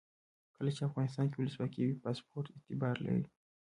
کله چې افغانستان کې ولسواکي وي پاسپورټ اعتبار لري.